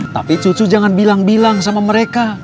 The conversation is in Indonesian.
tapi cucu jangan bilang bilang sama mereka